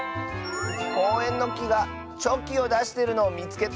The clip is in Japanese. こうえんのきがチョキをだしてるのをみつけた！